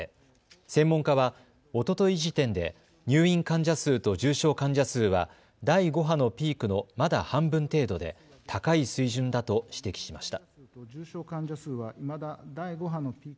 専門家はおととい時点で入院患者数と重症患者数は第５波のピークのまだ半分程度で高い水準だと指摘しました。